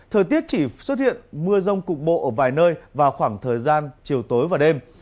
thời tiết chỉ xuất hiện mưa rông cục bộ ở vài nơi vào khoảng thời gian chiều tối và đêm